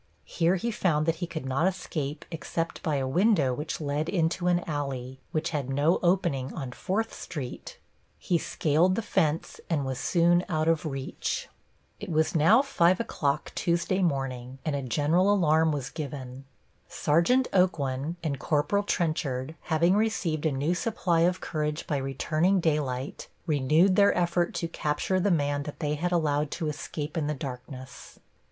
Here he found that he could not escape except by a window which led into an alley, which had no opening on 4th Street. He scaled the fence and was soon out of reach. It was now 5 o'clock Tuesday morning, and a general alarm was given. Sergeant Aucoin and Corporal Trenchard, having received a new supply of courage by returning daylight, renewed their effort to capture the man that they had allowed to escape in the darkness.